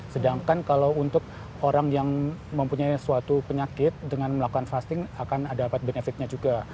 sedangkan kalau untuk orang yang mempunyai suatu penyakit dengan melakukan fasting akan dapat benefitnya juga